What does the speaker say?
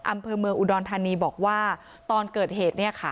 อำเภอเมืองอุดรธานีบอกว่าตอนเกิดเหตุเนี่ยค่ะ